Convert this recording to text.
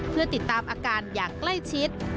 เพื่อติดตามอาการอย่างใกล้ชิด